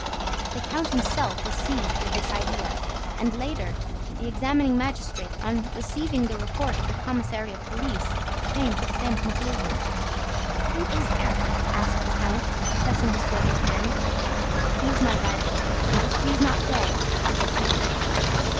The count himself was seized with this idea; and, later, the examining magistrate, on receiving the report of the commissary of police, came to the same conclusion. "Who is Erik?" asked the count, pressing his brother's hand. "He is my rival. And, if he's not dead, it's a pity."